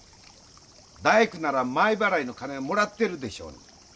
大工なら前払いの金はもらってるでしょうに。